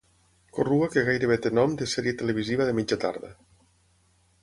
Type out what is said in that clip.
Corrua que gairebé té nom de sèrie televisiva de mitja tarda.